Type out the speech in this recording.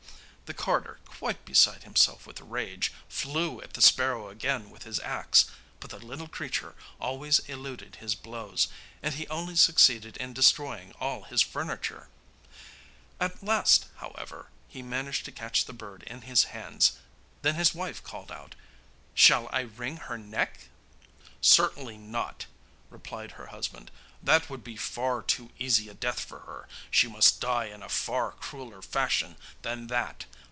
The carter, quite beside himself with rage, flew at the sparrow again with his axe, but the little creature always eluded his blows, and he only succeeded in destroying all his furniture. At last, however, he managed to catch the bird in his hands. Then his wife called out: 'Shall I wring her neck?' 'Certainly not,' replied her husband, 'that would be far too easy a death for her; she must die in a far crueller fashion than that.